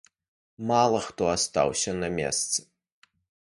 Мала хто астаўся на месцы.